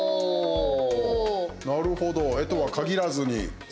なるほど絵とはかぎらずに。